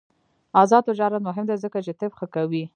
آزاد تجارت مهم دی ځکه چې طب ښه کوي.